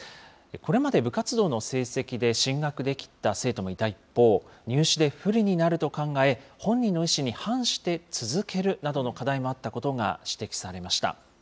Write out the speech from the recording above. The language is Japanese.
これまで部活動の成績で進学できた生徒もいた一方、入試で不利になると考え、本人の意思に反して続けるなどの課題もあったことが指摘されました。